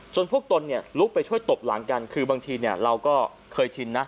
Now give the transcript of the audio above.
พวกตนเนี่ยลุกไปช่วยตบหลังกันคือบางทีเราก็เคยชินนะ